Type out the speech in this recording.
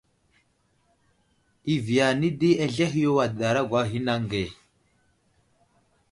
I viya anay di, azlehe yo adəɗargwa a ghay anaŋ age.